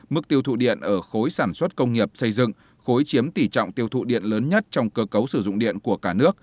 mức tiêu thụ điện ở khối sản xuất công nghiệp xây dựng khối chiếm tỷ trọng tiêu thụ điện lớn nhất trong cơ cấu sử dụng điện của cả nước